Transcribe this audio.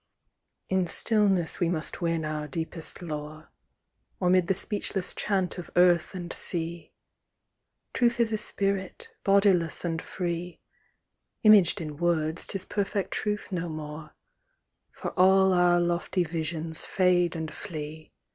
In stillness we must win our deepest lore. Or 'mid the speechless chant of earth and sea : Truth is a spirit, bodiless and free ; Imaged in words, 'tis perfect truth no more, For all our lofty visions fade and flee.